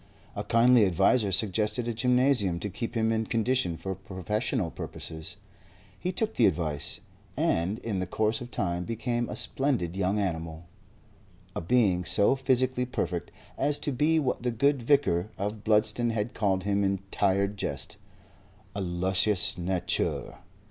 A kindly adviser suggested a gymnasium to keep him in condition for professional purposes. He took the advice, and in the course of time became a splendid young animal, a being so physically perfect as to be what the good vicar of Bludston had called him in tired jest a lusus naturae.